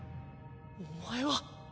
お前は。